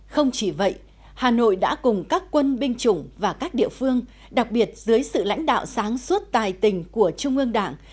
không chỉ vậy hà nội đã cùng các quân binh chủng và các địa phương đặc biệt dưới sự lãnh đạo sáng suốt tài tình của trung ương đảng